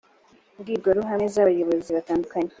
mbwirwaruhame z abayobozi batandukanye